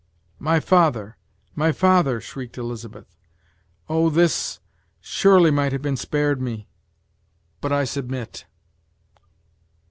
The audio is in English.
"My father! my father!" shrieked Elizabeth "Oh! this surely might have been spared me but I submit."